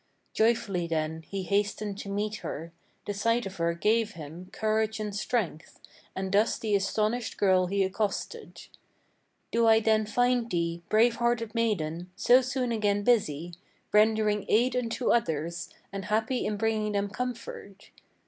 Joyfully then he hastened to meet her; the sight of her gave him Courage and strength; and thus the astonished girl he accosted: "Do I then find thee, brave hearted maiden, so soon again busy, Rendering aid unto others, and happy in bringing them comfort?